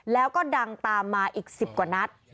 แล้วก็ดังตามมาอีก๑๐กว่านัด